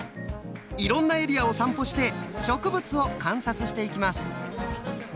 いろんなエリアを散歩して植物を観察していきます。